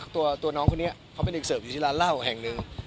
ตัวน้องคนนี้เขาเป็นเด็กเสิร์ฟอยู่ที่ร้านเหล้าแห่งหนึ่ง